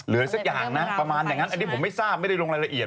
สักอย่างนะประมาณอย่างนั้นอันนี้ผมไม่ทราบไม่ได้ลงรายละเอียด